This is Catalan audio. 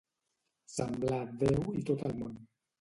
Semblar Déu i tot el món